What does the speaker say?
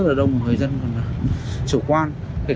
rất là đông người dân chủ quan